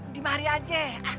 di mari aja